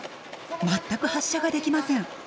全く発射ができません。